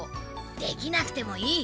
できなくてもいい。